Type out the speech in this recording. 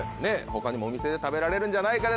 他にもお店で食べられるんじゃないか？